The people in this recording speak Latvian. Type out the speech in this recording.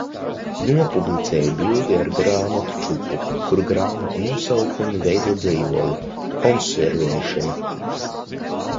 Nopublicēju bildi ar grāmatu čupu, kur grāmatu nosaukumi veido dzejoli. Konservēšana